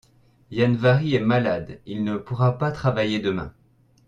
Yann-Vari est malade, il ne pourra pas travailler demain.